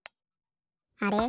あれ？